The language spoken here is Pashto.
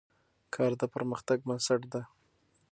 کار د پرمختګ بنسټ دی.